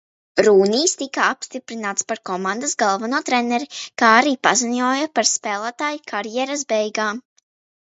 Rūnijs tika apstiprināts par komandas galveno treneri, kā arī paziņoja par spēlētāja karjeras beigām.